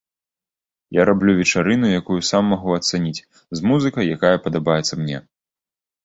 Я раблю вечарыну, якую сам магу ацаніць, з музыкай, якая падабаецца мне.